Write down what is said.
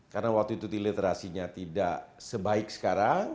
karena waktu itu literasinya tidak sebaik sekarang